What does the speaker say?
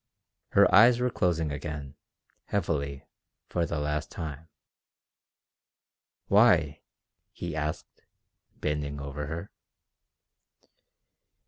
Her eyes were closing again, heavily, for the last time. "Why?" he asked, bending over her.